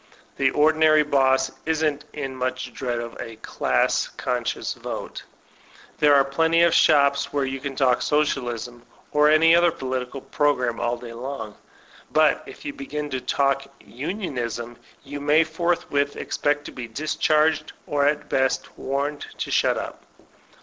The ordinary boss isn't in much dread of a "class conscious vote" ; there are plenty of shops where you can talk Socialism or any other po litical program all day long; but if you begin to talk Unionism, you may forthwith expect to be discharged, or at best warned to shut up.